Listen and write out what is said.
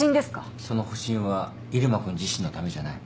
その保身は入間君自身のためじゃない。